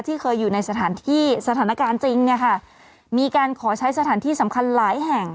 เคยอยู่ในสถานที่สถานการณ์จริงเนี่ยค่ะมีการขอใช้สถานที่สำคัญหลายแห่ง